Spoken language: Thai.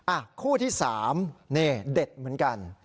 อ่าคู่ที่สามเนี่ยเด็ดเหมือนกัน